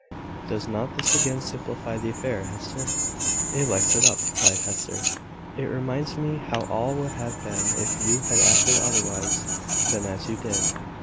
Does not this again simplify the affair, Hester?" "It lights it up," replied Hester. "It reminds me how all would have been if you had acted otherwise than as you did.